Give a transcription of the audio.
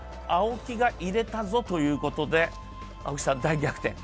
青木が入れたぞということで、青木さん大逆転。